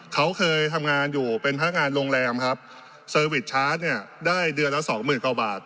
เขาเคยทำงานอยู่เป็นพนักงานโรงแรมครับเซอร์วิสชาร์จเนี่ยได้เดือนละสองหมื่นกว่าบาท